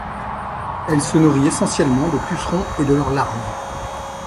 Elle se nourrit essentiellement de pucerons et de leurs larves.